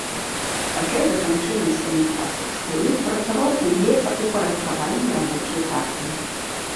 Пасля заканчэння сямі класаў школы працаваў у лесаўпарадкавальнай рабочай партыі.